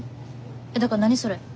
えっだから何それ。